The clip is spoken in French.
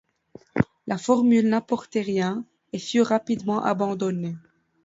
La formule n’apportait rien et fut rapidement abandonnée.